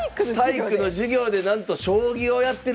体育の授業でなんと将棋をやってるんですよ。